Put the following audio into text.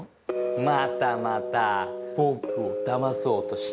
またまた僕をだまそうとして。